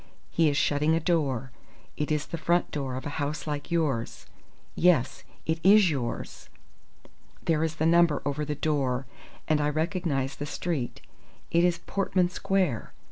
"He is shutting a door. It is the front door of a house like yours. Yes, it is yours. There is the number over the door, and I recognize the street. It is Portman Square.